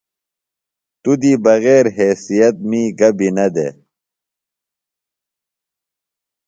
توۡ دی بغیرحیثیت می گہ بیۡ نہ دےۡ۔